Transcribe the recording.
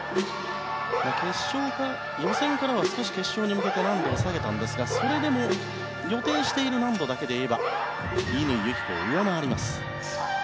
予選からは少し決勝に向けて難度は下げたんですがそれでも予定している難度だけでいえば乾友紀子を上回ります。